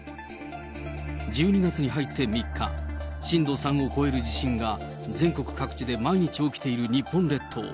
１２月に入って３日、震度３を超える地震が、全国各地で毎日起きている日本列島。